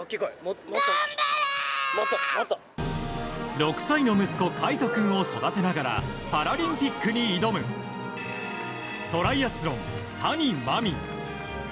６歳の息子・海杜君を育てながらパラリンピックに挑むトライアスロン、谷真海。